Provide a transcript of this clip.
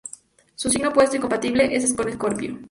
Su signo opuesto y compatible con Escorpio.